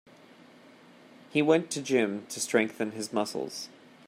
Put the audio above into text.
He went to gym to strengthen his muscles.